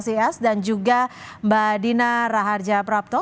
cs dan juga mbak dina raharja prapto